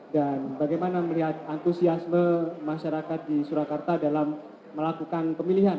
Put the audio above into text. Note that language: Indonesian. dan bagaimana melihat antusiasme masyarakat di surakarta dalam melakukan pemilihan